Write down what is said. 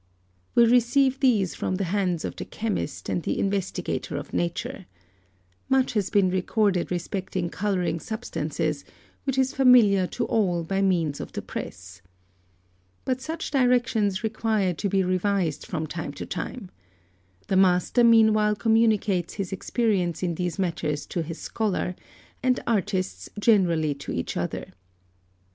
We receive these from the hands of the chemist and the investigator of nature. Much has been recorded respecting colouring substances, which is familiar to all by means of the press. But such directions require to be revised from time to time. The master meanwhile communicates his experience in these matters to his scholar, and artists generally to each other. 912.